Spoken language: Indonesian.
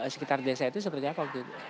sekitar desa itu seperti apa waktu itu